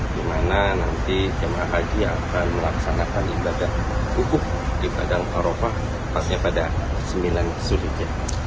di mana nanti jamaah haji akan melaksanakan ibadah hukum di padang arafah pasnya pada sembilan zulhijjah